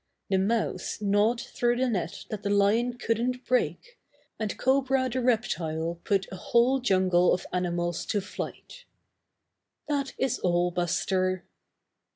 The mouse gnawed through the net that the lion couldn't break, and Cobra the Reptile put a whole jungle of animals to flight. That is all, Buster."